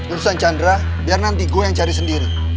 urusan chandra biar nanti gue yang cari sendiri